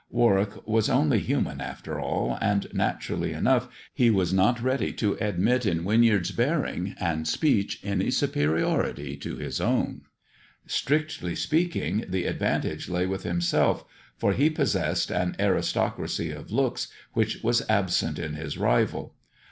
Warwick was only human after all, and, naturally enough, he was not ready to admit in Winyard's bearing and speech any superiority to his own. Strictly speaking, the advantage lay with himself, for he possessed an aristocracy of looks which was absent in THE dwarf's chamber 111 his rival.